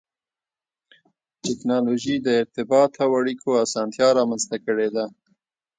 ټکنالوجي د ارتباط او اړیکو اسانتیا رامنځته کړې ده.